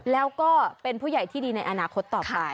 แล้วก็เป็นผู้ใหญ่ที่ดีในอนาคตต่อไป